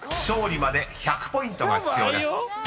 ［勝利まで１００ポイントが必要です。